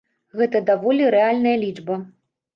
Гэта даволі рэальная лічба.